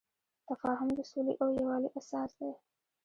تفاهم د سولې او یووالي اساس دی.